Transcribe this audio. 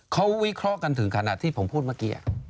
เขาวิเคราะห์กันถึงขนาดที่ผมพูดเมื่อกี้